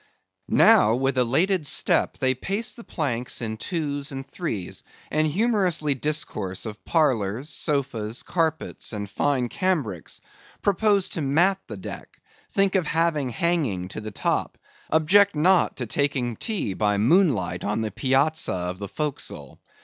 Now, with elated step, they pace the planks in twos and threes, and humorously discourse of parlors, sofas, carpets, and fine cambrics; propose to mat the deck; think of having hanging to the top; object not to taking tea by moonlight on the piazza of the forecastle.